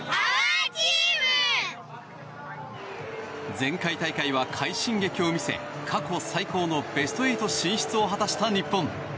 前回大会は快進撃を見せ過去最高のベスト８進出を果たした日本。